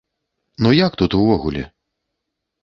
Ну як тут увогуле?